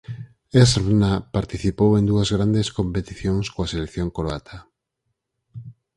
Srna participou en dúas grandes competicións coa selección croata.